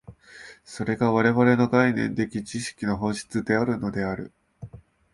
それが我々の概念的知識の本質であるのである。